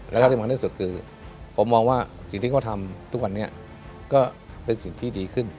แล้วก็ที่สำคัญที่สุดคือผมมองว่าสิ่งที่เขาทำทุกวันนี้ก็เป็นสิ่งที่ดีขึ้น